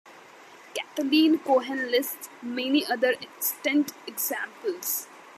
Kathleen Cohen lists many other extant examples.